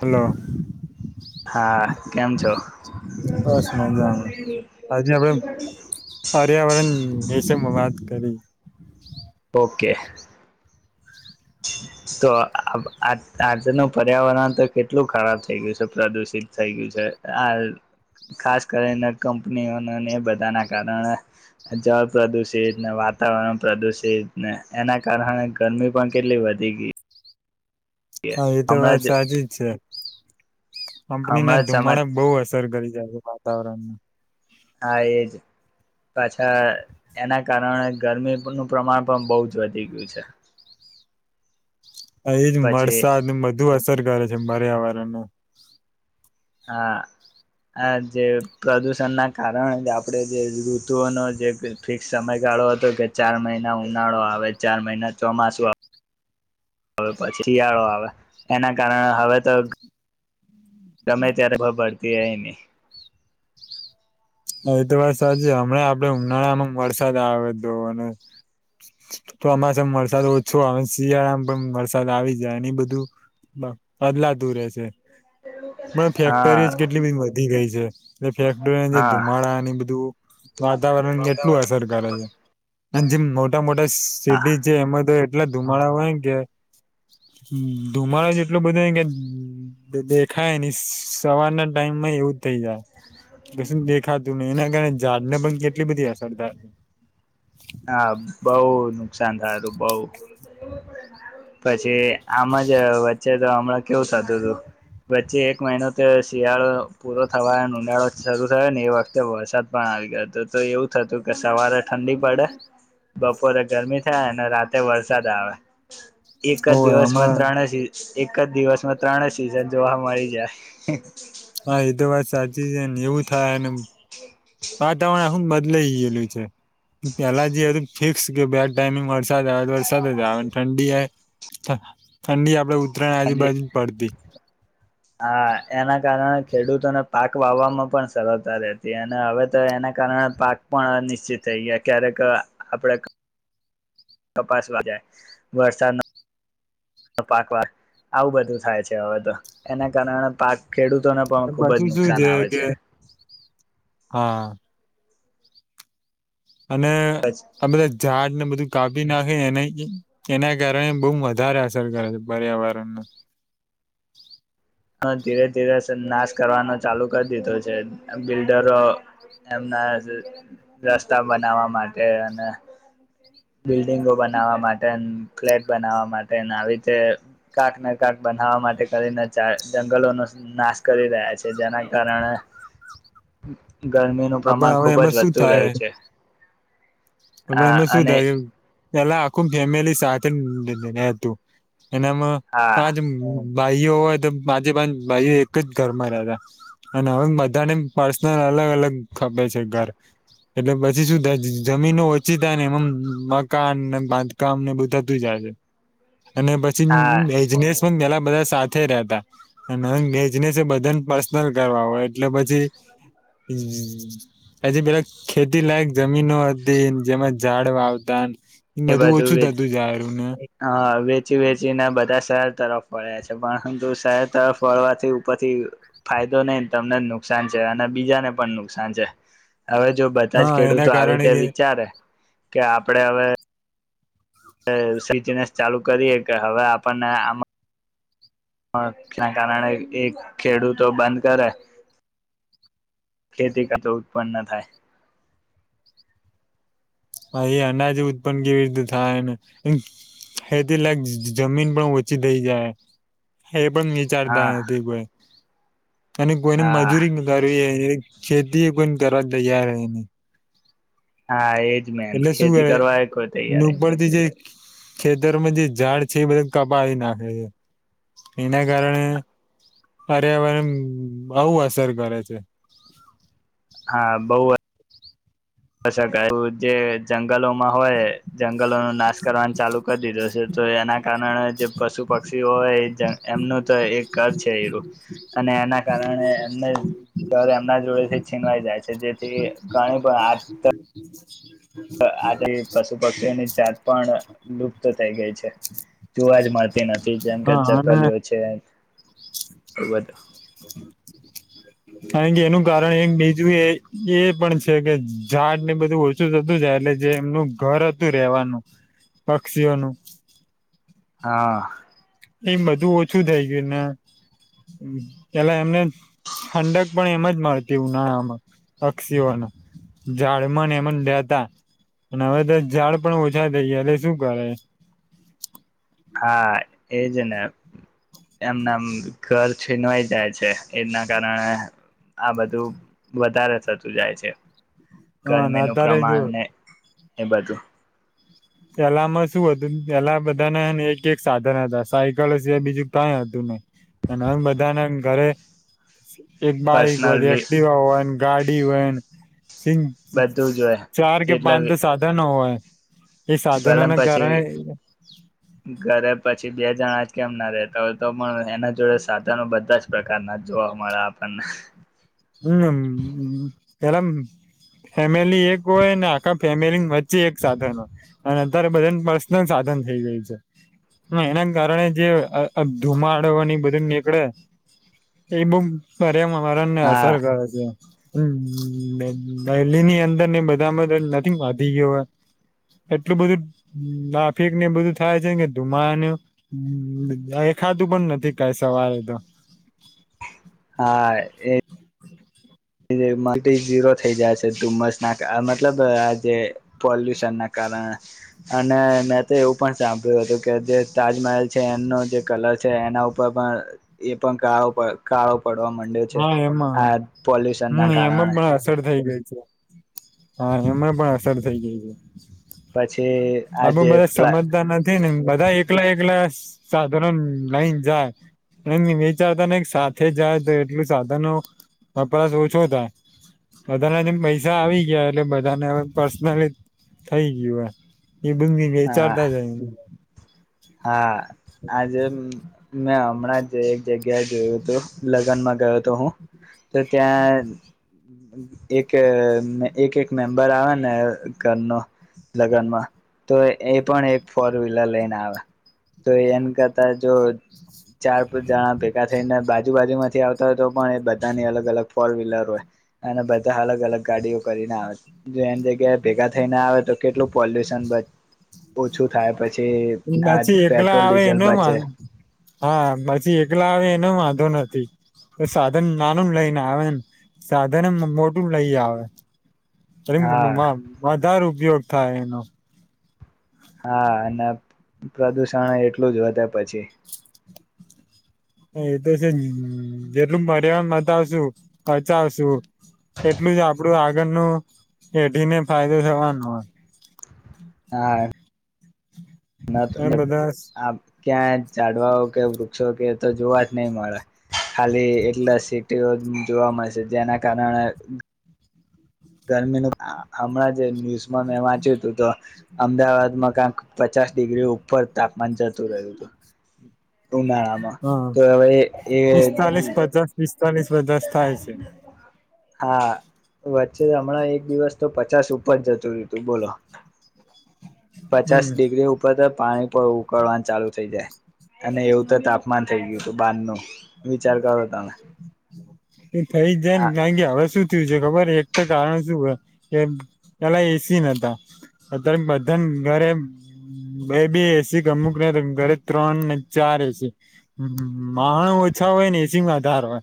Hello હા કેમ છો બસમાં આજણે હર્યાવર માં વાત કરીી ઓકે તો આજનું પર્યાવરણ તો કેટલું ખરાબ થઈ ગયું છે પ્રદુષિત થઈ ગયું છે આ ખાસ કરીને કંપનીઓ એ બધા ના કારણે જળ પ્રદુષિત વાતાવરણ પ્રદુષિત ને એના કારણે ગરમી પણ કેટલી વધી ગઈ હા એ તો વાત સાચ જ છે કંપનીને હમણાં જ સમાજ ધુમાડે બહુ અસર કરી વાતાવરણમાં હા એજ પાછા એના કારણે ગરમીનું પ્રમાણ પણ બહુ જ વધી ગયું છે એજ પછી વરસાદને બધુ અસર કરે છે બર આવવારને હા આ જે પ્રદુષણના કારણે આપણે જે ઋતુઓનો જે ફિક્સ સમયગાળો હતો કે ચાર મહિના ઉનાળો આવે ચાર મહિના ચોમાસું આવે પછી શિયાળો આવે એના કારણે હવે તો ગમે ત્યારે ભભરતી એ નહી એ તો વાર સાચ હમણાં આપડે ઉનાળામાં વરસાદ આવે તો અને તો અમા સા વરસાદ ઓછો આવે શિયાળામાં પણ વરસાદ આવી જાય એની બધું બદલાતું રહેે છે પણ ફેક્ટરીજ હા કેટલી બધી વધી ગઈ છે [inaudible] એ ફેક્ટરી જે હા ધુમાડા ની બધું વાતાવરણ કેટલું અસર કરે છે મ મોટા મોટ હા સડી છે એમ તો એટલા ધુમાડા હોય કે ધુમાડો જ એટલો બધો હોય કે દેખાય ને સવારના ટાઈમમાં એવું જ થઇ જાય ગસને બે ખાતું ને એના કારણે ઝાડ ને પણ કેટલી બધી અસર થ છે હા બઉ નુકસાન થાયું બઉ પછી આમ જ વચ્ચે તો હમણાં કેવું થતું હતું વચ્ચે એક મહિનો તો શિયાળો પૂરો થવા િયાળો શરૂ થયો ને એ વખતે વરસાદ પણ આવી ગયો તો તો એવું થતું કે સવારે ઠંડી પડે બપોરે ગરમી થાય અને રાતે વરસાદ આવે એક જ હોય દિવસમાં અમારા ત્રણ એક જ દિવસમાં ત્રણે સિઝન જોવા મળી જાય હા એ તો વાત સાચી છે ને એવું થાય વાતાવરણ આખું બદલાઈ ગયેલું છે પેલા જેું ફિક્સ કે બે ટાઈમિંગ વરસાદ આવે વરસાદ આવેન ઠંડી ઠંડી આપડે ઉત્તરાયણ આજુબાજુ પડતી. હા એના કાર ખેડૂતોને પાક વાવવામાં પણ સરળતા રહેતી અને હવે તો એના કારણે પાક પણ અનિશ્ચિત થઈ ગયા ક્યારેક આપણે કપાસવા જાય વરષા ન [inaudible] આવું બધું થાય છે હવે તો એના કારણે પાક ખેડૂતોને પણ ખુબ જ પાછું શું નુકસાન આવે કે છે હા [inaudible] અને પછી આ બધા ઝાડ ને બધું કાપી નાખે એ એના કારણે બો વધારે અસર કરે છે પર્યાવરણનુ હ ધીરે ધીરે નાશ કરવાનો ચાલુ કરી દીધો છે બિલ્ડરો એમના રસ્તા બનાવવા માટે અને બિલ્ડીંગો બનાવવા માટે ફ્લેટ બનાવવા માટે આવી રીતે કાકને કાક બનાવવા માટે કરીને [unintelligible] જંગલોનો નાશ કરી રહ્યા છે જેના કારણે ગરમીનું પણ પ્રમાણ હવે ખુબ એમાં જ વધતું જાય છે હમણાં એમાં શું અને થાય એમ પેલા [inaudible] એનામા હા [unintelligible] ભાઈઓ હોય તો પાંચે પાંચ ભાઈઓ એક જ ઘરમાં રહેતા અને હવે બધાને પર્સનલ અલગ અલગ [unintelligible] છે ઘર એટલે પછી શું જમીનો ઓછી થાય ને એમ મકાન ને બાંધકામને [unintelligible] અને હા પછી [inaudible] બધા સાથે રહેતા અને બેજનેસ બધાને પર્સનલ કરવા હોય એટલે પછી [unintelligible] પેલા ખેતી લાયક જમીનો હતી જેમાં ઝાડ વાવતા એ બધું ઓછું વેચ થતું જારું ને હ વેચી વેચીને બધા શહેર તરફ પળ્યા છે પણ ઉંધુ શહેર તરફ વળવાથી ઉપરથી ફાયદો નઈ તમને નુકસાન છે અને બીજાને પણ નુકસાન છે હવે જો બધા હા જ એના ખેડૂતો આવી કારણે તે કે વિચારે કે આપડે અવે [unintelligible] ચાલુ કરીએ કે હવે આપણને [inaudible] કારણે એ ખેડૂતો બંધ કરે ખેતી કરતો ઉત્પન્ન થાય હ એ અનાજ ઉત્પન્ન કેવી રીતે થાયને ખેતી લાયક જમીન પણ ઓછી થઈ જાય એ પણ વિચારતા હા નથી કોઈ અને કોઈને હા મજૂરી કરવી ખેતી [unintelligible] કરવા તૈયાર [unintelligible] હા એ ઈજમેન એટલે ખેતી કરવાય કોઈ તૈયાર ખેતરોમાં જે ઝાડ છે એ બધા કપાવી નાખે છે એના કારણે પર્યાવરણ આવુ અસર કરે છે હા બોઉ અસર કરે [inaudible] જંગલોમાં હોય જંગલો નો નાશ કરવાનું ચાલુ કરી દીધો છે તો એના કારણે જે પશુ પક્ષી હોય એ એમનું તો એક ઘર છે ઈરુ અને એના કારણે એમને ઘર એમના જોડે થી છીનવાઈ જાય છે જેથી ઘણી આ [inaudible] આથી પશુ પક્ષીઓની જાત પણ લુપ્ત થઈ ગઈ છે જોવા જ મળતી નથી જેમ કે હા અને ચકલીઓ છે વધટ કારણ કે એનું કારણ એક બીજું એ એ પણ છે કે ઝાડ ને બધું ઓછું થતું જાય એટલે જે એમનું ઘર હતું રેવાનું પક્ષીઓનું હા એ બધું ઓછું થઈ ગયું ને પેલા એમને ઠંડક પણ એમ જ મળતી ઉનાળામાં પક્ષીઓના ઝડમન એમ જ લતા અને હવે ાડ પણ પછા થઈ શું કરે હા એજ ને એમના ઘર છીનવાઈ જાય છે એના કારણે આ બધું વધારે થતું જાય છે હા ના ગરમીનું તારે જો પ્રમાણ ને એ બાજુ પેલામાં શું હતું પેલા બધાના એક એક સાધન હતા સાયકલ એ બીજું કઈ હતું નહ અને બધાને ઘરે એક બાઈક પર્સનલ હોય બી એક્ટિવા હોય ને ગાડી હોયને િ બધું જ હોય ચાર કે પાંચ તો સાધા ના હોવા હૈ ગલમ પછી ઘરે પછી પછી બે જણાજ કેમ ના રતા હોય તો પણ એના જોડે સાધનો બધા જ પ્રકારના જોવા મળ્યા આપણને હમ પેલા ફેમિલી એક હોય ને આખા ફેમિલી વચ્ચે એક સાધન હોય અને અત્યારે બધા પર્સનલ સાધન થઈ ગયું છે હ એના કારણે જે ધુમાડની બધી નીકળે એ બ અમાને હા હ દેહી ની અંદર ને બધામાંધા નથી વધી ગયો એટલું બધું નાફિકને બધું થાય છેને કે ધુમાનું દેખાતું પણ નથી કઈ સવારે તો હા એ જે મલ્ટી ઝીરો થઈ જાય છે ધુમ્મસ નાક આ મતલબ આ જે પોલ્યુશન ના કારણે અને મેં તો એવું પણ સાંભળ્યું હતું કે જે તાજમહેલ છે એનો જે કલર છે એના ઉપર પણ એ પણ કાળો કાળો પડવા માંડ્યો છે હા એમાં આ પોલ્યુશન હમ ના એમ કારણે થ ગ હા એમાં પણ અસર થઈ ગઈ છે પછી આ બું આજે મધા પ્લા સમજતા નથી ને બધા એકલા એકલા સાધારણ લઈને જાય વિચારતા ને સાથે જાય તો એટલું સાધનો વપરાશ ઓછો થાય બધાના જે પૈસા આવી ગયા એટલે બધાને હવે પર્સનલી થઈ ગયું હો એ બંદી ગ હા ચારતા જાય હા આજે મેં હમણાં એક જગ્યાએ ગયું હતોું લગનમાં ગયો હતો હું તો ત્યાં એક એક એક મેમ્બર આવે ને ઘરનો લગ્નમાં તો એ પણ એક ફોર વ્હીલર લઈને આવે તો એન કતા જો ચાર પાચ જણા ભેગા થઈને બાજુ બાાજુ માં થી આવતા હોય તો પણ એ બધાની અલગ અલગ ફોર વ્હીલર હોય અને બધા અલગ અલગ ગાડીઓ કરીને આવે જો એની જગ્યાએ ભેગા થઈ ના આવે તો કેટલું પોલ્યુશન શું થાય પછી આ છી એકલા પેટ્રોલ આવે ડીઝલ એનો મા, બચે હા પછી એકલા આવે એનો માંધ તો નથી સાધન નાનું લઈને, આવે સાધનએમ મોટું લઈ આવે અરે હા માદાર ઉપયોગ થ, એનું હા અને--પ્રદુષણ એટલું જ વધે પછી હ એ તો છે ને જેટલું મર્યા મતાવશું, કચાવશું એટલું જ આપડું આ... ન એઢને ફાયદો થવાનું હોય હા. ના તો, એ બધા આ ક્યાં જાડવાઓ કે વૃક્ષો કે તો જોવા જ નહી મળે, ખાલી એટલા સિટીઓ જોવા મળશે. જેના કારણે ગરમીનું હમણાં જે ન્યુઝમાં મેં વાંચ્યું હતું. તો અમદાવાદમાં કંક પચાસ ડિગ્રી ઉપર તાપમાન જતું રહ્યું હતું. ઉનાળામાં હા તો હવે એ... ચાલીસ દસ થાય છે. હા, વચ્ચે હમણાં એક દિવસ તો પચાસ ઉપર જતું રહ તું બોલો પચાસ હમ ડિગ્રી ઉપર તો પાણી ઉકળવાનું ચાલુ થઈ જાય અને એવું તો તાપમાન થઈ ગયું હતું બાર નું વિચાર કરો તમે. એ થઈ જને તંગે હવે સુું છે ખબર એક તો કારણ શું હોય કે પેલા એસી શું શું છે. ખબર હે, એક તો કારણ શું હે, પેલા એસી નતા અત્યારે બધાને ઘરે બે બે એસી ગમુક ન ઘરે ત્રણ ને ચાર એસી માાણું ઓછા હોય ને એસીમાં આધાર હોય.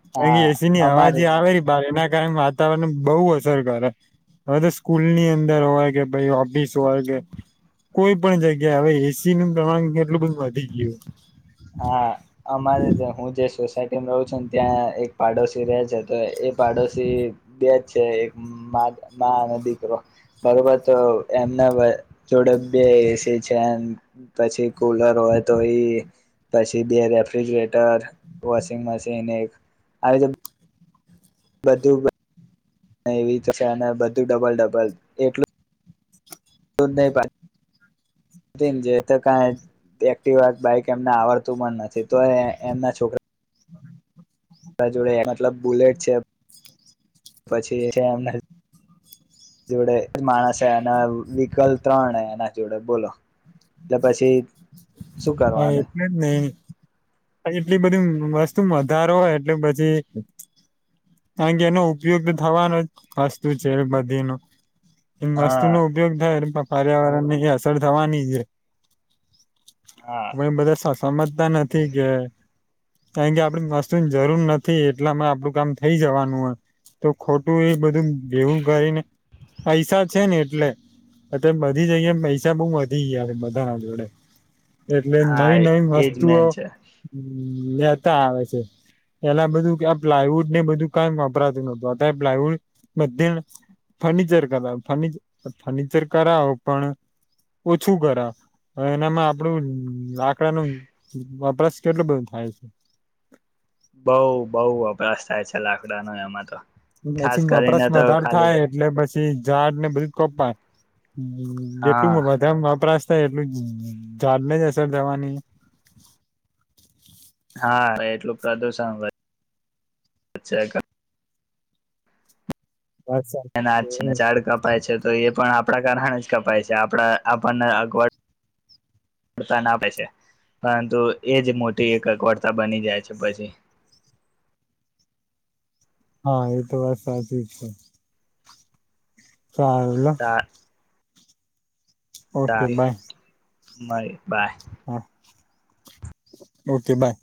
હા એસી ની હવા અમારે જે જ આવે એ બારના કાર વાતાવરણ ને બહુ અસર કરે, હવે તો સ્કૂલ ની અંદર હોય કે ભ ઓફિસ હોય કે કોઈ પણ જગ્યા હવે એસી નું પ્રમાણ કેટલું બધું વધી ગયું. હા અમારે હું જે સોસાયટી રહું છ ને ત્યાં એક પાડોશી ર છે. તો એ પાડોશી બે જ છે એક અને દીકરો બરોબર તો એમના જોડે બે એસી છે. પછી કુલર હોય તો એ પછી બે રેફ્રિજરેટર વોશિંગ મશીન ને આવી રીતે બધું [inaudible] એવી છે. અને બધું ડબલ ડબલ એટલુંલુ [inaudible] નહી [inaudible] જે ક્ટ બાઈક એમને આવડતું પણ નથી, તો એમના છોકરા જોડે મતલબ બુલેટ છે. પછી છે એમ જોડે માણસ એના વકલ ત્રણ એના જોડે બોલો એટલે પછી શું હા, કરવાનું એટલે જ નહી એટલી બધી વસ્તુ વધારો હોય એટલે પછી-આ કેે એનો ઉપયોગ થવાનો વસ્તુ છે બધી ન. એમ વસ્તુ હા નો ઉપયોગ થાય એપ્પ. પર્યાવરણ ની અસર થવાની છે. હા હ બધારે સાચ સમજતા નથી કે કારણ કે આપણે મસ્તુની જરૂર નથી એટલામાં આપણું કામ થઈ જવાનું હોય તો ખોટું એ બધું ભેવું કરીને પૈસા છે. ને એટલે એ બધી જગ્યા પૈસા બહુ વધી ગયા છે. બધા ના જોડે એટલે હા નવી નવી એજ વસ્તુઓ મેન છે લેતા આવે છે એલા બધું આ પ્લાયવુડ ને બધું કઈ વપરાતું નતું પ્લાયવુડ બધ ફર્નિચર કરાવ ફર્નિચર કરાવો પણ ઓછું કરાવ હવે એનામાં આપડું લાકડા નું વપરાશ કેટલોું બધું થાય છે. બઉ બઉ વપરાશ થાય છે લાકડાનો એમાં તો. ખાસ ચી કરીને તો પ્રશ્નધાર ખાલી થાય એટલે પછી. ઝાડ ને બધું જ કપાય હ જેટલું હા બધાપરા એટલું જડલે જ હ સરર જવાની હા એટલું પ્રદુષણ કર અચ્છાય ક વાત એ સાચી ના છે છેને ચાડ કપાય છે તો એ પણ આપ આપણા કારણ જ કપાય છે આપણા આપણને અગવડવડતા નાપે છે પરંતુ એજ મોટી એક અગવડતા બની જાય છે પછી. હા એ તો વાત સાચી છે. ચાર લો. સા ઓકે બાય. બ બાય. હા ઓકે બાય.